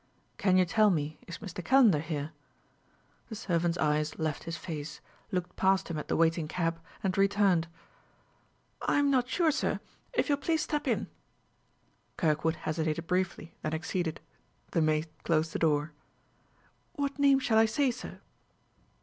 "Can you tell me, is Mr. Calendar here?" The servant's eyes left his face, looked past him at the waiting cab, and returned. "I'm not sure, sir. If you will please step in." Kirkwood hesitated briefly, then acceded. The maid closed the door. "What name shall I say, sir?"